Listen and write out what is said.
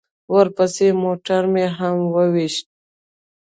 ورپسې موټر مې هم وويشت.